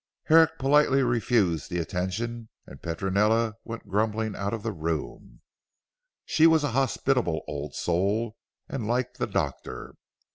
Herrick politely refused the attention, and Petronella went grumbling out of the room. She was a hospitable old soul, and liked the doctor.